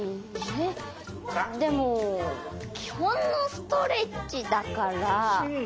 でもきほんのストレッチだから。